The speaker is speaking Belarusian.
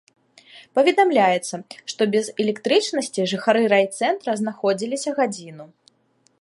Паведамляецца, што без электрычнасці жыхары райцэнтра знаходзіліся гадзіну.